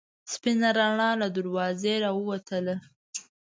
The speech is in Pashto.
سپینه رڼا له دروازې راوتله.